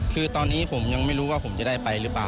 คือตอนนี้ผมยังไม่รู้ว่าผมจะได้ไปหรือเปล่า